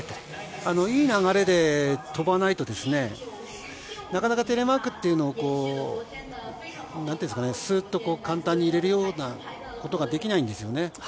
いい流れで飛ばないと、なかなかテレマークっていうのは、すっと簡単に入れるようなことが、できないんですね。